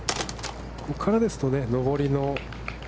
ここからですと、上りの。